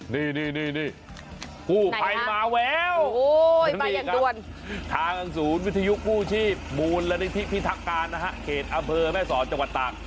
นี่ภูไพรมาแววทางศูนย์วิทยุคผู้ชีพมูลรณิธิพิทธิการเขตอเภอแม่ศรจังหวัดตาก